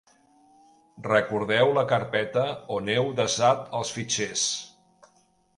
Recordeu la carpeta on heu desat els fitxers.